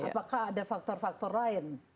apakah ada faktor faktor lain